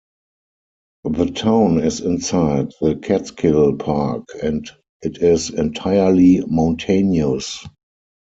The town is inside the Catskill Park, and it is entirely mountainous.